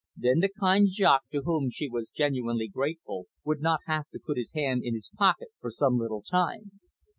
Then the kind Jaques, to whom she was genuinely grateful, would not have to put his hand in his pocket for some little time.